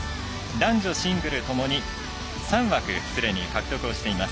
男女シングルともに３枠すでに獲得をしています。